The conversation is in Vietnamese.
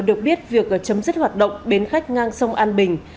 được biết việc chấm dứt hoạt động bến khách ngang sông an bình